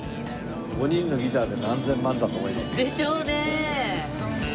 ５人のギターで何千万だと思いますね。でしょうねえ。